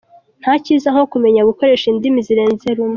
Nta cyiza nko kumenya gukoresha indimi zirenze rumwe